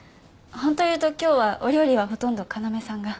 ほんと言うと今日はお料理はほとんど要さんが。